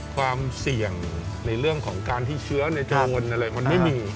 ความเสี่ยงในเรื่องของการที่เชื้อในจำนวนอะไรมันไม่มี